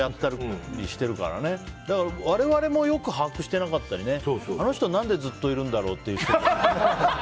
我々もよく把握してなかったりあの人、何でずっといるんだろう？っていう人も。